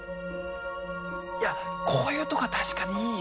いやこういうところは確かにいいよ。